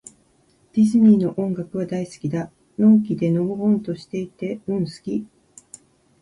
ディズニーの音楽は、大好きだ。陽気で、のほほんとしていて。うん、好き。